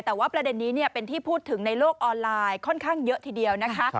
แต่ว่าประเด็นนี้เป็นที่พูดถึงในโลกออนไลน์ค่อนข้างเยอะทีเดียวนะคะ